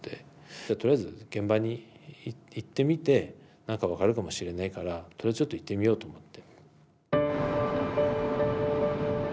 とりあえず現場に行ってみて何か分かるかもしれないからとりあえずちょっと行ってみようと思って。